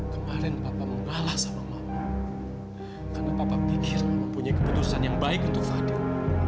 kemarin papa membalas sama mama karena papa pikir mempunyai keputusan yang baik untuk fadil